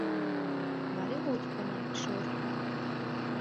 Vari, lūdzu, panākt šurp?